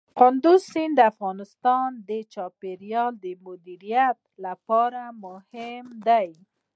کندز سیند د افغانستان د چاپیریال د مدیریت لپاره مهم دی.